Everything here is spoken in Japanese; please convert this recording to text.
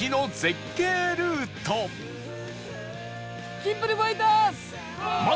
キンプリファイターズ！